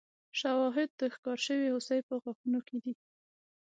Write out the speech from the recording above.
شواهد د ښکار شوې هوسۍ په غاښونو کې دي.